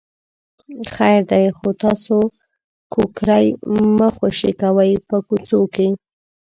خیر دی خو تاسې کوکری مه خوشې کوئ په کوڅو کې.